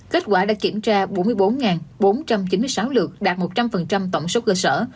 kết quả đã kiểm tra bốn mươi bốn bốn trăm chín mươi sáu lượt đạt một trăm linh tổng số cơ sở